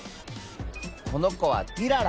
この子はティララ